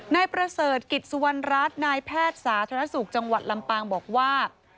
นายประเสริฐกิจสุวรรณรัฐนายแพทย์สาธารณสุขจังหวัดลำปางบอกว่า